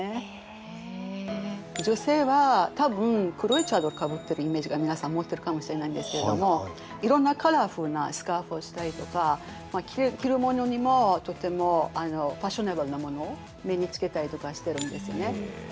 女性は多分黒いチャドルかぶってるイメージが皆さん持ってるかもしれないんですけれどもいろんなカラフルなスカーフをしたりとか着るものにもとてもファッショナブルなものを身につけたりとかしてるんですよね。